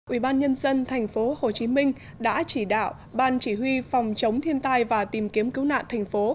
ủy ban nhân dân thành phố hồ chí minh đã chỉ đạo ban chỉ huy phòng chống thiên tai và tìm kiếm cứu nạn thành phố